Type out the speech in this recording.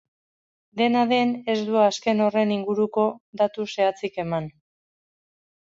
Dena den, ez du azken horren inguruko datu zehatzik eman.